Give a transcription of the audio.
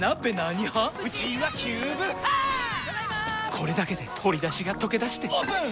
これだけで鶏だしがとけだしてオープン！